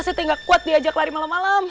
setiap gak kuat diajak lari malam malam